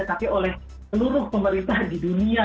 tapi oleh seluruh pemerintah di dunia